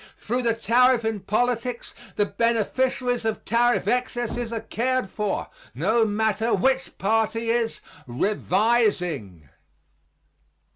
Through the tariff in politics the beneficiaries of tariff excesses are cared for, no matter which party is "revising."